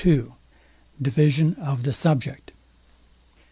DIVISION OF THE SUBJECT.